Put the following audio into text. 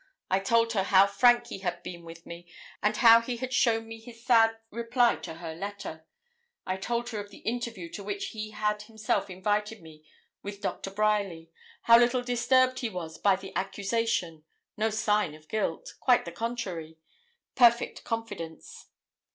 I told her how frank he had been with me, and how he had shown me his sad reply to her letter. I told her of the interview to which he had himself invited me with Dr. Bryerly; how little disturbed he was by the accusation no sign of guilt; quite the contrary, perfect confidence.